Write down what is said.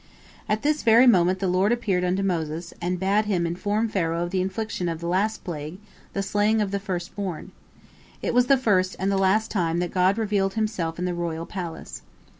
At this very moment the Lord appeared unto Moses, and bade him inform Pharaoh of the infliction of the last plague, the slaying of the first born. It was the first and the last time that God revealed Himself in the royal palace.